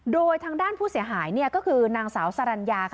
โดยทางด้านผู้เสียหายก็คือนางสาวสรรญาค่ะ